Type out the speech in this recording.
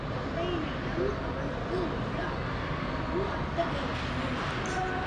தத்தையினிடம் அவனுக்கு உள்ள அன்பு அத்தகையது.